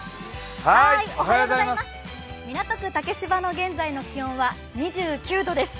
港区竹芝の現在の気温は２９度です。